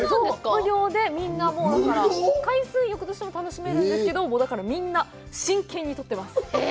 無料でみんな、だから、海水浴としても楽しめるんですけど、みんな真剣に取ってます。